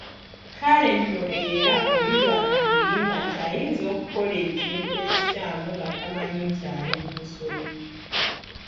Kale nno era oli lw'atakulimba nti ayinza okukola ekintu ekikyamu nga tamanyi nti ali mu nsobi.